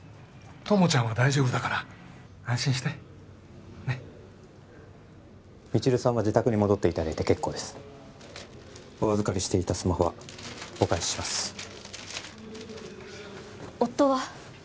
友ちゃんは大丈夫だから安心してねっ未知留さんは自宅に戻っていただいて結構ですお預かりしていたスマホはお返しします夫は？